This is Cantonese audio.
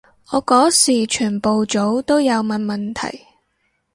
我嗰時全部組都有問問題